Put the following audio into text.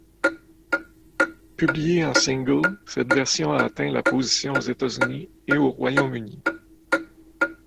Publiée en single, cette version a atteint la position aux États-Unis et au Royaume-Uni.